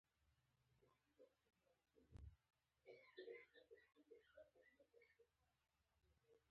د کابل په خاک جبار کې د کرومایټ کانونه دي.